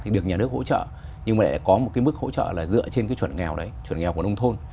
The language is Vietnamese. thì được nhà nước hỗ trợ nhưng mà lại có một mức hỗ trợ là dựa trên chuẩn nghèo đấy chuẩn nghèo của nông thôn